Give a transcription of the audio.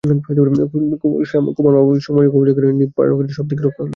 কুমারসভারও কৌমার্য রয়ে গেল, নৃপ-নীরুও পার পেলে, সব দিক রক্ষা হল।